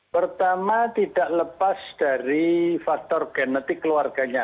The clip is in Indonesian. pertama tidak lepas dari faktor genetik keluarganya